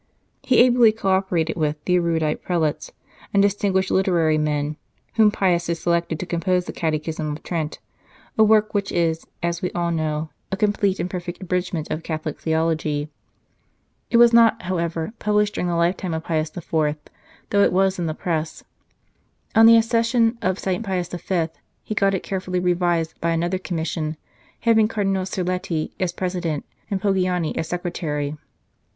He ably co operated with the erudite prelates and distinguished literary men whom Pius had selected to compose the Catechism of Trent, a work which is, as we all know, a complete and perfect abridgment of Catholic theology. It was not, however, pub lished during the lifetime of Pius IV., though it was in the press. On the accession of St. Pius V., he got it carefully revised by another Commission, having Cardinal Serletti as President, and Pogiani as Secretary.